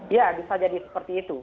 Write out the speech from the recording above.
ya bisa jadi seperti itu